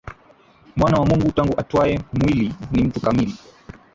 Mwana wa Mungu tangu atwae mwili ni mtu kamili